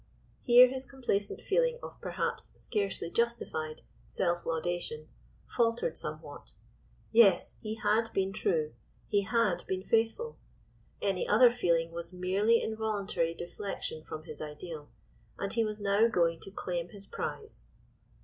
Here his complacent feeling of perhaps scarcely justified self laudation faltered somewhat. Yes! he had been true—he had been faithful—any other feeling was merely involuntary deflection from his ideal, and he was now going to claim his prize!